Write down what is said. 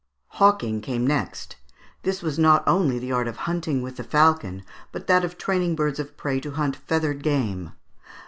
Hawking came next. This was not only the art of hunting with the falcon, but that of training birds of prey to hunt feathered game.